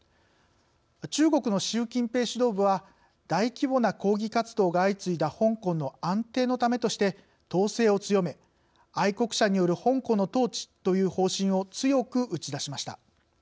中国の習近平指導部は大規模な抗議活動が相次いだ香港の安定のためとして統制を強め「愛国者による香港の統治」という方針を強く打ち出しました。